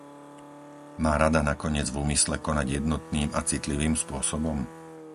Má Rada nakoniec v úmysle konať jednotným a citlivým spôsobom?